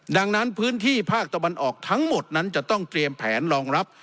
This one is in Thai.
ดังนั้นพื้นที่ภาคตะวันออกทั้งหมดนั้นจะต้องเตรียมแผนรองรับ